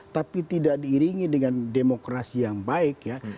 tapi tidak diiringi dengan demokrasi yang baik ya